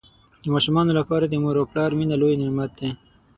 د ماشومانو لپاره د مور او پلار مینه لوی نعمت دی.